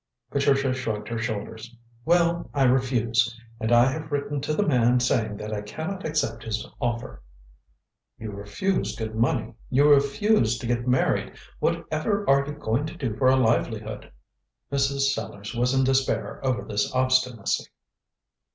Patricia shrugged her shoulders. "Well, I refuse, and I have written to the man saying that I cannot accept his offer." "You refuse good money; you refuse to get married. Whatever are you going to do for a livelihood?" Mrs. Sellars was in despair over this obstinacy.